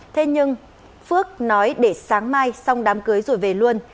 thế nhưng phước nói để sáng mai xong đám cưới rồi về luôn